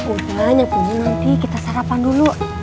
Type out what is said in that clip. udah nyapu dulu nanti kita sarapan dulu